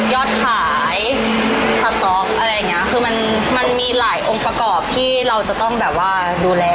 ยอดขายสต๊อกอะไรอย่างเงี้ยคือมันมันมีหลายองค์ประกอบที่เราจะต้องแบบว่าดูแล